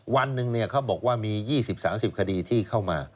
วันหนึ่งเขาบอกว่ามี๒๐๓๐คดีที่เข้ามา